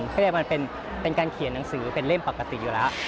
เขาเรียกมันเป็นการเขียนหนังสือเป็นเล่มปกติอยู่แล้ว